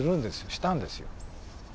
したんですよ。